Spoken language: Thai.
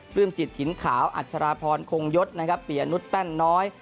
กลืมจิตหินขาวอัจฉราพรโคงยศเปียนุทแป้นน้อย